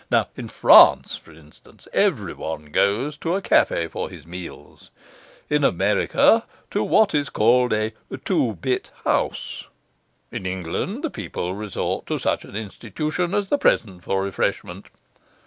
Now, in France, for instance, every one goes to a cafe for his meals; in America, to what is called a "two bit house"; in England the people resort to such an institution as the present for refreshment.